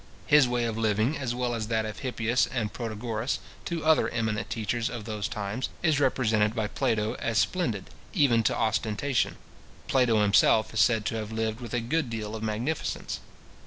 His way of living, as well as that of Hippias and Protagoras, two other eminent teachers of those times, is represented by Plato as splendid, even to ostentation. Plato himself is said to have lived with a good deal of magnificence.